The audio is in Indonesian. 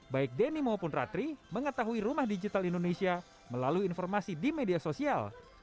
baik denny maupun ratri mengetahui rumah digital indonesia melalui informasi di media sosial